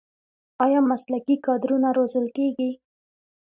آیا مسلکي کادرونه روزل کیږي؟